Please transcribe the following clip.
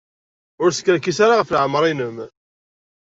Ur skerkis ara ɣef leɛmeṛ-nnem.